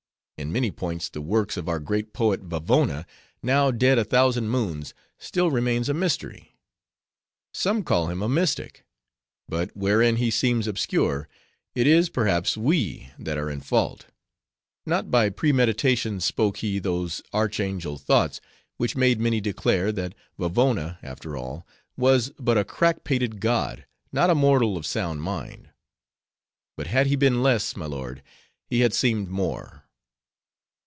In many points the works of our great poet Vavona, now dead a thousand moons, still remain a mystery. Some call him a mystic; but wherein he seems obscure, it is, perhaps, we that are in fault; not by premeditation spoke he those archangel thoughts, which made many declare, that Vavona, after all, was but a crack pated god, not a mortal of sound mind. But had he been less, my lord, he had seemed more.